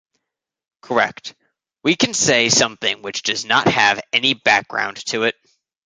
Correct. We can say something which does not have any background to it.